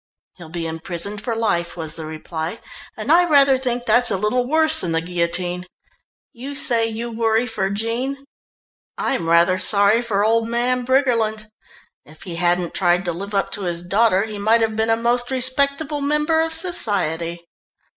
"He'll be imprisoned for life," was the reply "and I rather think that's a little worse than the guillotine. You say you worry for Jean I'm rather sorry for old man Briggerland. If he hadn't tried to live up to his daughter he might have been a most respectable member of society."